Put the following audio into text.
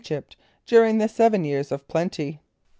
g][)y]pt, during the seven years of plenty?